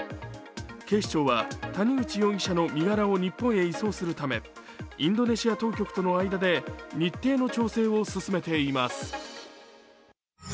警視庁は谷口容疑者の身柄を日本へ移送するためインドネシア当局との間で日程の調整を進めています。